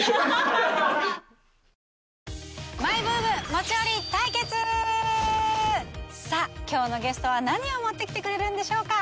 このあと、さぁ今日のゲストは何を持ってきてくれるんでしょうか？